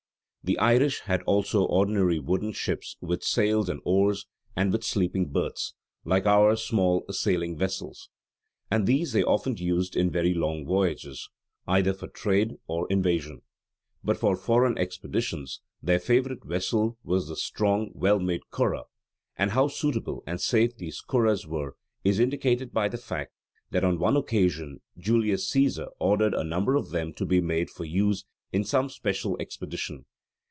The Irish had also ordinary wooden ships with sails and oars, and with sleeping berths, like our small sailing vessels, and these they often used in very long voyages, either for trade or invasion. But for foreign expeditions their favourite vessel was the strong well made curragh; and how suitable and safe these curraghs were is indicated by the fact that on one occasion Julius Cæsar ordered a number of them to be made for use in some special expedition.